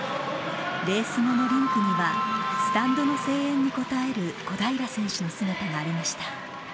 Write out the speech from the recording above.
レース後のリンクには、スタンドの声援に応える小平選手の姿がありました。